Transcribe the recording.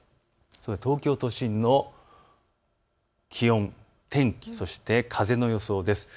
東京都心の気温、天気、そして風の予想です。